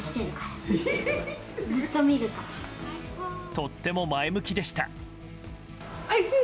とっても前向きでした。